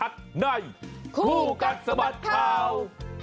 ในคู่กันสมัติข่าว